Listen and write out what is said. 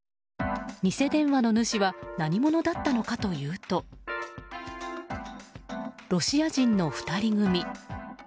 偽電話の主は何者だったのかというとロシア人の２人組。